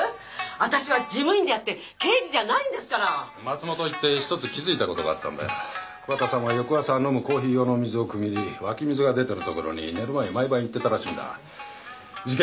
私は事務員であって刑事じゃないんですから松本行って１つ気付いたことがあったんだよ桑田さんは翌朝飲むコーヒー用の水をくみに湧き水が出てる所に寝る前に毎晩行ってたらしいんだ事件